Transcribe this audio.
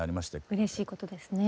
うれしいことですね。